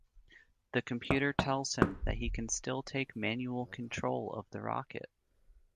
The computer tells him that he can still take manual control of the rocket.